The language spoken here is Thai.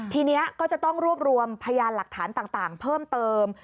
ทีนี้ก็จะต้องรวบรวมพยานหลักฐานต่างเพิ่มเติม